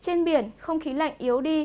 trên bãi biển không khí lạnh yếu đi